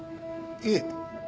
いえ。